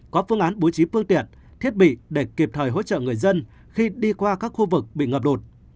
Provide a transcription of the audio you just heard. có phương án bố trí phương tiện thiết bị để kịp thời hỗ trợ người dân khi đi qua các khu vực bị ngập lụt